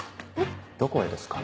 どこへですか？